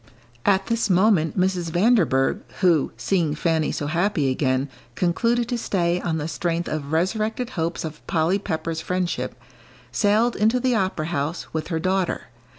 At this moment Mrs. Vanderburgh, who, seeing Fanny so happy again, concluded to stay on the strength of resurrected hopes of Polly Pepper's friendship, sailed into the opera house, with her daughter.